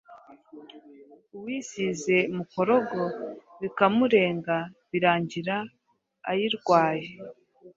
uwisize Mukorogo bikamurenga birangira ayirwaye.